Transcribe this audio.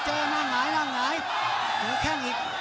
โอเจอนั่งหาย